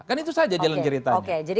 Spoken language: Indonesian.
kan itu saja jalan ceritanya